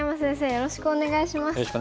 よろしくお願いします。